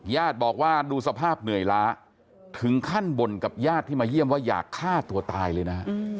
ญาติบอกว่าดูสภาพเหนื่อยล้าถึงขั้นบ่นกับญาติที่มาเยี่ยมว่าอยากฆ่าตัวตายเลยนะ